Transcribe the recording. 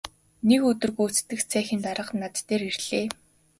Нэг өдөр гүйцэтгэх цехийн дарга над дээр ирлээ.